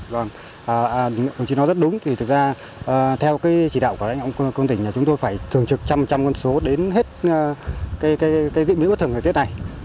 đồng chí nói rất đúng thì thực ra theo chỉ đạo của anh ông cương tỉnh là chúng tôi phải thường trực trăm trăm con số đến hết diễn biến bất thường thời tiết này